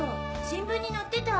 新聞に載ってた。